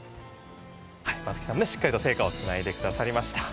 松木さん、しっかりと聖火をつないでくださりました。